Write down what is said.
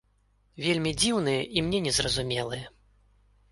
Вельмі дзіўныя, і мне не зразумелыя.